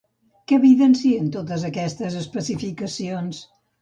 Què evidencien totes aquestes especificacions?